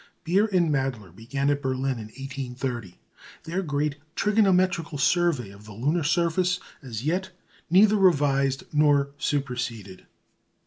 Beer and Mädler began at Berlin in 1830 their great trigonometrical survey of the lunar surface, as yet neither revised nor superseded.